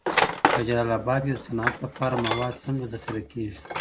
په جلال اباد کي د صنعت لپاره مواد څنګه ذخیره کېږي؟